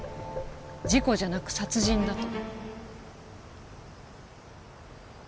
「事故じゃなく殺人だ」と。